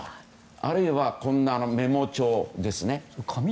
あるいはメモ帳ですね。